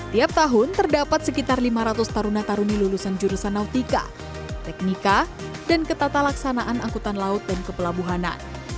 tiap tahun terdapat sekitar lima ratus taruna taruni lulusan jurusan nautika teknika dan ketata laksanaan angkutan laut dan kepelabuhanan